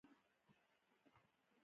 ایا زه باید چکه وخورم؟